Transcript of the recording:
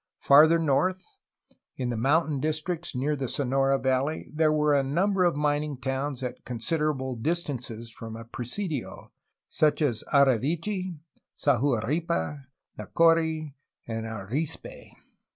Farther north, in the mountain districts near the Sonora valley, there were a number of mining towns at considerable dis tances from a presidio, such as Ari vechi, Sahuaripa, Nacori, and Arispe.